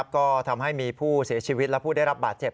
ก็ทำให้มีผู้เสียชีวิตและผู้ได้รับบาดเจ็บ